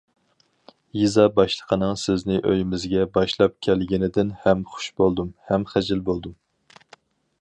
يېزا باشلىقىنىڭ سىزنى ئۆيىمىزگە باشلاپ كەلگىنىدىن ھەم خۇش بولدۇم ھەم خىجىل بولدۇم.